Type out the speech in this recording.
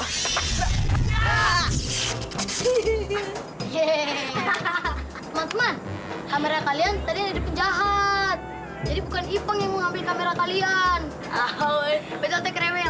hahaha masman kamera kalian tadi ada penjahat jadi bukan ipeng yang mengambil kamera kalian